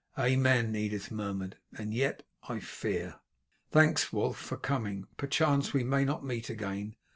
"Amen," Edith murmured, "and yet I fear. Thanks, Wulf, for coming, perchance we may not meet again.